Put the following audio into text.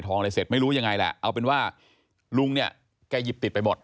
เป็นแบบว่าลุงเนี่ยแก่หยิบติดไปหมด